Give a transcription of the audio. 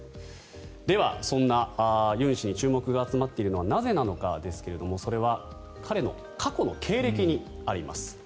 では、そんなユン氏に注目が集まっているのはなぜなのかですが、それは彼の過去の経歴にあります。